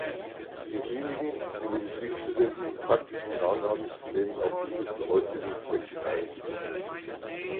In Kliniken, die Medizinstudenten im praktischen Jahr haben, nehmen auch diese zu Ausbildungszwecken teil.